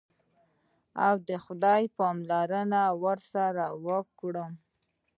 او د خداى پاماني ورسره وکړم.